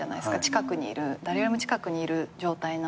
近くにいる誰よりも近くにいる状態なんで。